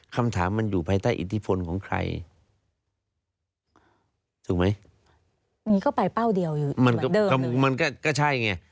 ใครถูกไหมนี่ก็ไปเป้าเดียวอยู่เหมือนเดิมมันก็มันก็ก็ใช่ไง